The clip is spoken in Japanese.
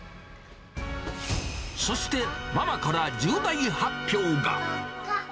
そして、ママから重大発表が。